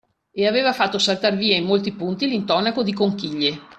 E aveva fatto saltar via in molti punti l’intonaco di conchiglie